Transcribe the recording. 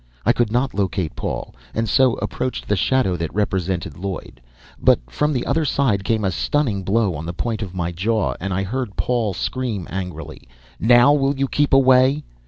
I could not locate Paul, and so approached the shadow that represented Lloyd. But from the other side came a stunning blow on the point of my jaw, and I heard Paul scream angrily, "Now will you keep away?"